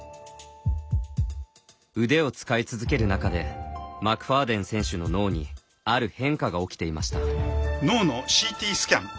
腕を使い続ける中でマクファーデン選手の脳にある変化が起きていました。